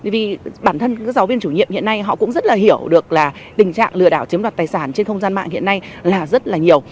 vì bản thân giáo viên chủ nhiệm hiện nay họ cũng rất là hiểu được là tình trạng lừa đảo chiếm đoạt tài sản trên không gian mạng hiện nay là rất là nhiều